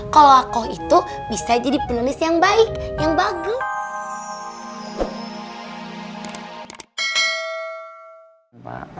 kalau aku itu bisa jadi penulis yang baik yang bagus